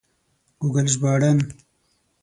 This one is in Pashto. ګوګل ژباړن